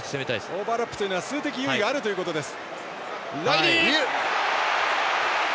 オーバーラップというのは数的優位があるということです。